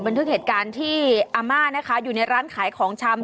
ในเทียดการที่อาม่านะคะอยู่ในร้านขายของช่ำ